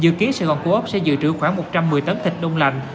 dự kiến sài gòn của ốc sẽ dự trữ khoảng một trăm một mươi tấn thịt nông lành